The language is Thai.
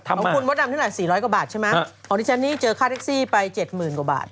ของคุณมดดำเท่าไหร่๔๐๐กว่าบาทใช่ไหมของดิฉันนี่เจอค่าแท็กซี่ไป๗๐๐กว่าบาท